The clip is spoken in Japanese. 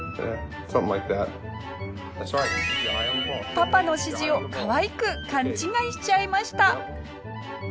パパの指示をかわいく勘違いしちゃいました。